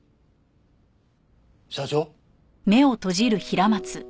社長？